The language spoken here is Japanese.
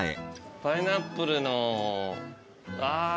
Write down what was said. パイナップルのあいいね。